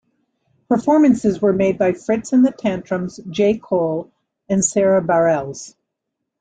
Performances were made by: Fitz and The Tantrums, J. Cole, and Sara Bareilles.